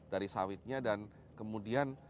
dari sawitnya dan kemudian